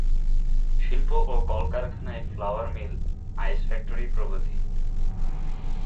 শিল্প ও কলকারখানা ফ্লাওয়ার মিল, আইস ফ্যাক্টরি প্রভৃতি।